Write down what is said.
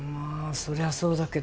そりゃそうだけど。